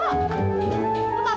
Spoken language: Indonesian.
pak pak pak